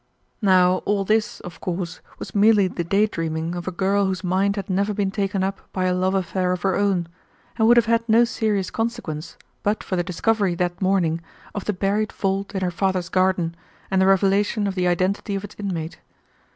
Now all this, of course, was merely the daydreaming of a girl whose mind had never been taken up by a love affair of her own, and would have had no serious consequence but for the discovery that morning of the buried vault in her father's garden and the revelation of the identity of its inmate.